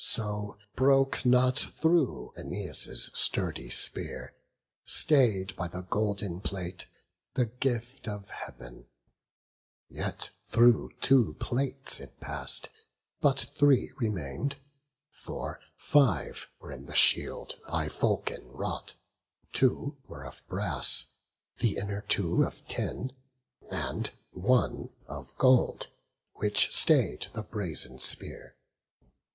So broke not through Æneas' sturdy spear, Stay'd by the golden plate, the gift of Heav'n; Yet through two plates it pass'd, but three remain'd, For five were in the shield by Vulcan wrought; Two were of brass, the inner two of tin, And one of gold, which stay'd the brazen spear.